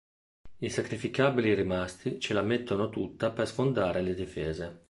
I sacrificabili rimasti ce la mettono tutta per sfondare le difese.